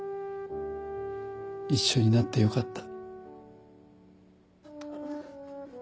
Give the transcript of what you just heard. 一緒になってよかった。